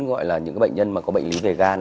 gọi là những bệnh nhân mà có bệnh lý về gan